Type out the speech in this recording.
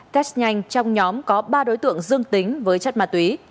test nhanh trong nhóm có ba đối tượng dương tính với chất ma túy